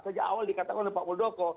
sejak awal dikatakan oleh pak muldoko